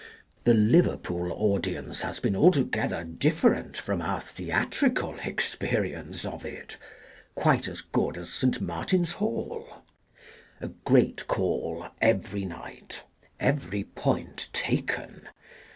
The Liverpool audience has been altogether differ ent from our Theatrical experience of it. Quite as good as St. Martin's Hall. A great call, every night. Every point taken.